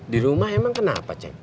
di rumah emang kenapa cek